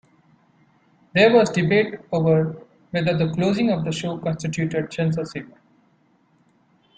There was debate over whether the closing of the show constituted censorship.